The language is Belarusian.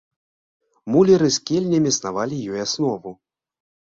Муляры з кельнямі снавалі ёй аснову.